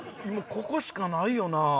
ここしかないよな。